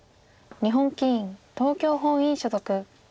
日本棋院東京本院所属。